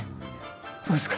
そうですか？